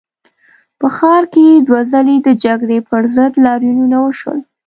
په ښار کې دوه ځلي د جګړې پر ضد لاریونونه وشول.